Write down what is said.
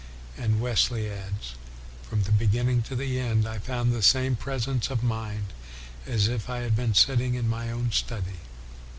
And Wesley adds, " from the beginning to the end I found the same presence of mind as if I had been sitting in my own study."